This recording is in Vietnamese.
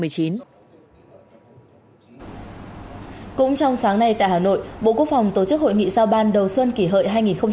cũng trong sáng nay tại hà nội bộ quốc phòng tổ chức hội nghị giao ban đầu xuân kỷ hợi hai nghìn một mươi chín